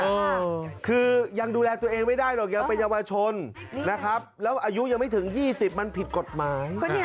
เออคือยังดูแลตัวเองไม่ได้หรอกยังเป็นเยาวชนนะครับแล้วอายุยังไม่ถึงยี่สิบมันผิดกฎหมาย